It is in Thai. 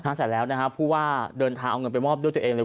เพราะว่าเดินทางเอาเงินไปมอบด้วยตัวเองเลยครับ